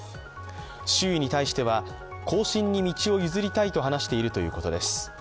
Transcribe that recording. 周囲に対しては、後進に道を譲りたいと話しているということです。